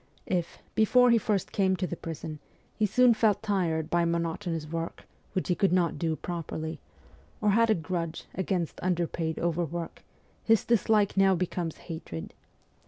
If, before he first came to the prison, he soon felt tired by monotonous work, which he could not do properly, or had a grudge against underpaid overwork, his dislike now becomes hatred.